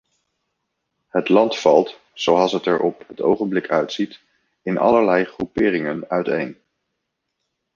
Het land valt, zoals het er op het ogenblik uitziet, in allerlei groeperingen uiteen.